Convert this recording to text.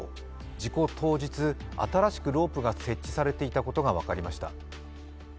事故当日、新しくロープが設置されていたことが分かりました。